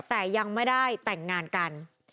แต่ยังไม่ได้แต่งงานกัน